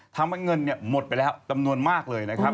ทำให้เงินหมดไปแล้วจำนวนมากเลยนะครับ